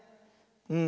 うん。